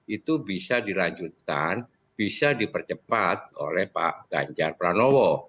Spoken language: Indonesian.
itu bisa dilanjutkan bisa dipercepat oleh pak ganjar pranowo